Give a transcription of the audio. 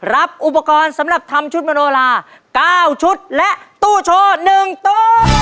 รับอุปกรณ์สำหรับทำชุดมโนลา๙ชุดและตู้โชว์๑ตู้